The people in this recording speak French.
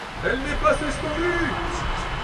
Elle n'est pas suspendue.